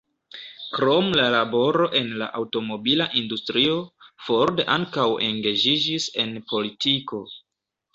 Krom la laboro en la aŭtomobila industrio, Ford ankaŭ engaĝiĝis en politiko.